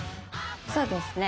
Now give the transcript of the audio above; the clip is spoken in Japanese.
そうですね